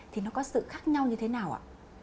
thì nó có sự khác nhau như thế nào ạ